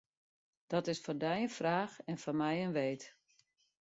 Dat is foar dy in fraach en foar my in weet.